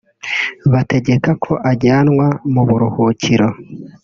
bategeka ko ajyanwa mu buruhukiro